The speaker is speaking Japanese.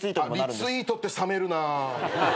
あっリツイートって冷めるな。